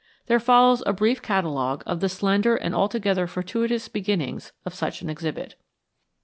There follows a brief catalogue of the slender and altogether fortuitous beginnings of such an exhibit.